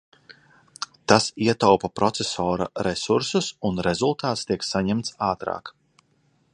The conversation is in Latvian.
Tas ietaupa procesora resursus un rezultāts tiek saņemts ātrāk.